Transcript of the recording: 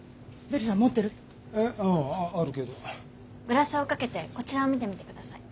グラスをかけてこちらを見てみてください。